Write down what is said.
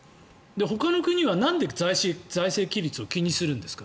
ほかの国は、なんで財政規律を気にするんですか？